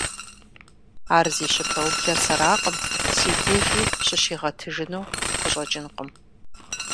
Ар зи щыпэублэр сэракъым, си дежи щыщигъэтыжыну къыщӀэкӀынкъым.